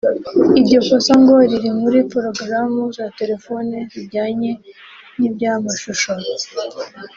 Iryo kosa ngo riri muri porogaramu za telefone zijyanye n’ibyamashusho